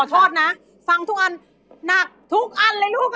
ทอดนะฟังทุกอันหนักทุกอันเลยลูก